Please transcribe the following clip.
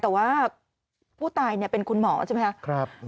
แต่ว่าผู้ตายเป็นคุณหมอใช่ไหมครับ